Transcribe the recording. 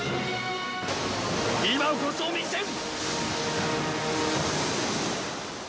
今こそ見せん！